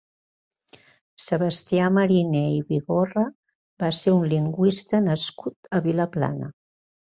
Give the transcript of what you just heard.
Sebastià Mariner i Bigorra va ser un lingüista nascut a Vilaplana.